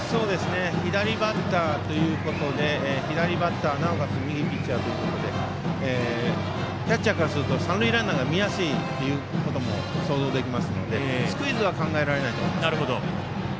左バッターということでなおかつ右ピッチャーということでキャッチャーからすると三塁ランナーが見やすいということも想像できますのでスクイズは考えられないです。